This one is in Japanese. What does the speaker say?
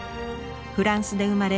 フランスで生まれ